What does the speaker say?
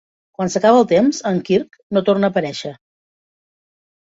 Quan s'acaba el temps, en Kirk no torna a aparèixer.